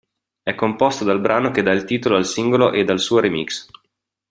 È composto dal brano che dà il titolo al singolo e dal suo remix.